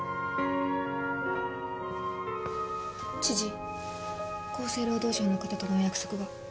知事厚生労働省の方とのお約束が。